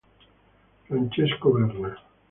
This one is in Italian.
Francesco Berna